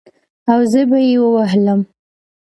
او زه به يې ووهلم.